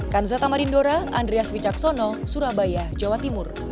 kanzata marindora andreas wicaksono surabaya jawa timur